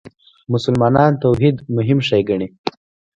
مسلمانان توحید مهم شی ګڼي.